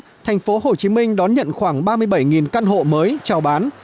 năm hai nghìn một mươi sáu thành phố hồ chí minh đón nhận khoảng ba mươi bảy căn hộ mới chào bán